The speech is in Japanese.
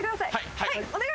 はい。